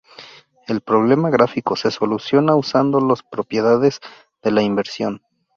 El problema gráfico se soluciona usando las propiedades de la Inversión.